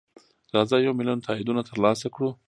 راځه یو میلیون تاییدونه ترلاسه کړو.